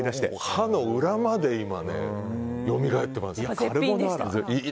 歯の裏までよみがえっています。